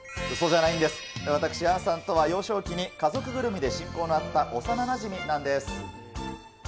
私、杏さんとは幼少期に家族ぐるみで親交のあった幼なじみなんです。